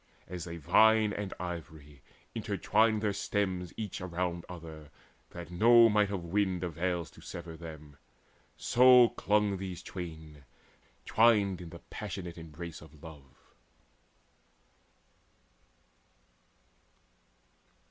And as a vine and ivy entwine their stems Each around other, that no might of wind Avails to sever them, so clung these twain Twined in the passionate embrace of love.